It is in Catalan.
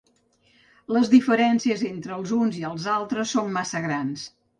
Les diferències entre els uns i els altres són massa grans.